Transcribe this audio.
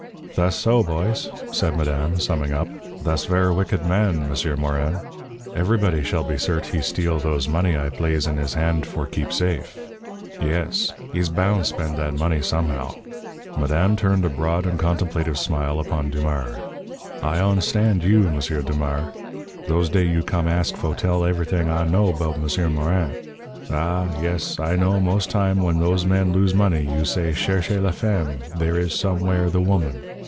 "Thass so, boys," said madame, summing up. "Thass ver' wicked man, M'sieur Morin. Everybody shall be cert' he steal those money I plaze in his hand for keep safe. Yes. He's boun' spend that money, somehow." Madame turned a broad and contemplative smile upon Dumars. "I ond'stand you, M'sieur Dumars, those day you come ask fo' tell ev'ything I know 'bout M'sieur Morin. Ah! yes, I know most time when those men lose money you say 'Cherchez la femme' there is somewhere the woman.